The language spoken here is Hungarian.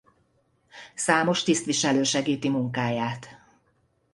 Számos tisztviselő segíti munkáját.